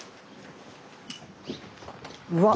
うわっ。